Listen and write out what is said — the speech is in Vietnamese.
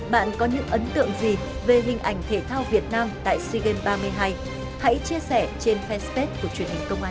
bạn có những ấn tượng gì về hình ảnh thể thao việt nam tại sea games ba mươi hai hãy chia sẻ trên fanpage của truyền hình công an